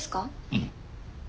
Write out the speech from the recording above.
うん。